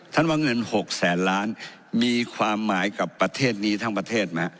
ว่าเงิน๖แสนล้านมีความหมายกับประเทศนี้ทั้งประเทศไหม